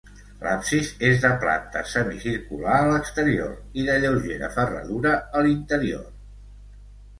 L'absis és de planta semicircular a l'exterior i de lleugera ferradura a l'interior.